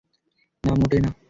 না মোটেই না।